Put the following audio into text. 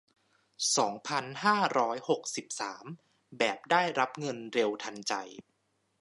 สองพันห้าร้อยหกสิบสาม แบบได้รับเงินเร็วทันใจ